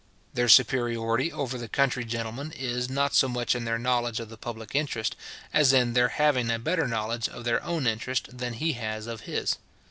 Their superiority over the country gentleman is, not so much in their knowledge of the public interest, as in their having a better knowledge of their own interest than he has of his.